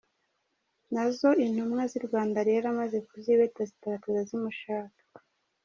Nazo intumwa z’i Rwanda rero amaze kuzibeta zitarataza zimushaka.